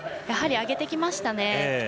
やはり上げてきましたね。